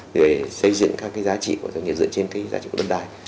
để xây dựng các giá trị của doanh nghiệp dựa trên giá trị của đất đai